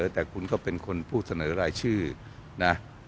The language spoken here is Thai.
แต่คุณก็เป็นคนผู้เสนอรายชื่อนะ